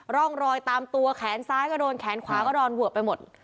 ร่องรอยตามตัวแขนซ้ายก็โดนแขนขวาก็โดนเวอะไปหมด